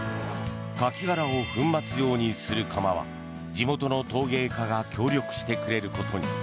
カキ殻を粉末状にする窯は地元の陶芸家が協力してくれることに。